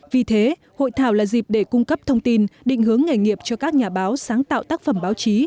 vì thế hội thảo là dịp để cung cấp thông tin định hướng nghề nghiệp cho các nhà báo sáng tạo tác phẩm báo chí